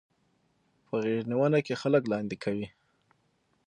په غېږنيونه کې خلک لاندې کوي.